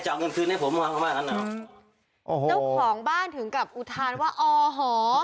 เจ้าของบ้านถึงกับอุทานว่าอ่อหอ